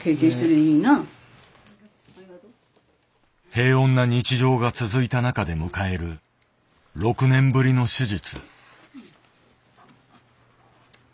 平穏な日常が続いた中で迎える６年ぶりの手術。